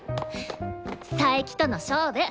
佐伯との勝負！